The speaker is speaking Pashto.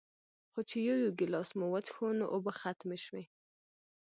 خو چې يو يو ګلاس مو وڅښو نو اوبۀ ختمې شوې